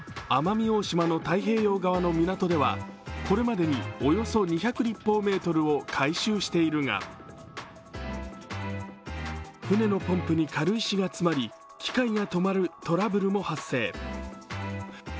これまでにおよそ２００立方メートルを回収しているが船のポンプに軽石がつまり、機械が止まるトラブルも発生。